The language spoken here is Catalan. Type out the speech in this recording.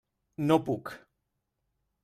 No puc.